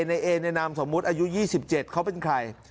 นายเอแนะนำสมมติอายุ๒๗เขาเป็นใคร